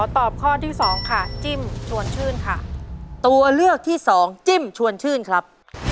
ตัวเลือกที่๒จิ้มชวนชื่นครับ